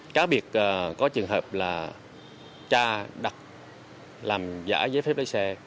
các việc có trường hợp là cha đặt làm giả giấy phép lái xe